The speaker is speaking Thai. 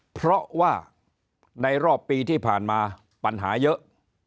เพราะว่าในรอบปีที่ผ่านมาปัญหาเยอะ